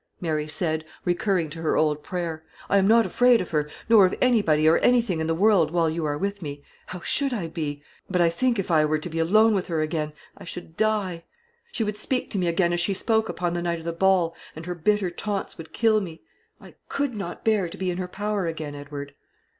Mary said, recurring to her old prayer. "I am not afraid of her, nor of anybody or anything in the world, while you are with me, how should I be? but I think if I were to be alone with her again, I should die. She would speak to me again as she spoke upon the night of the ball, and her bitter taunts would kill me. I could not bear to be in her power again, Edward."